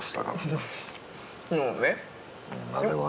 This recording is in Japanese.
あれは。